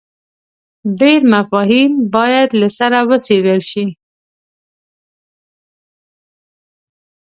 ډېر مفاهیم باید له سره وڅېړل شي.